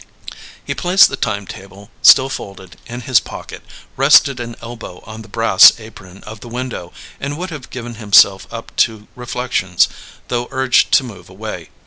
He placed the time table, still folded, in his pocket, rested an elbow on the brass apron of the window, and would have given himself up to reflections, though urged to move away.